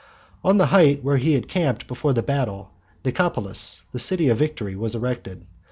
On the height where he had camped before the battle, Nicopolis, the City of Victory, was erected.